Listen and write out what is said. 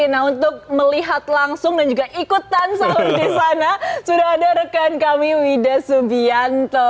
nah untuk melihat langsung dan juga ikutan sahur di sana sudah ada rekan kami wida subianto